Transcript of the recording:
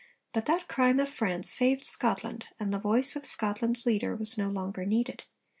But that crime of France saved Scotland, and the voice of Scotland's leader was no longer needed.